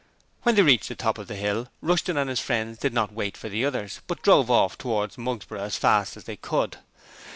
When they reached the top of the hill Rushton and his friends did not wait for the others, but drove off towards Mugsborough as fast as they could.